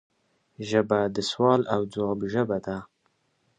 ژبه د سوال او ځواب ژبه ده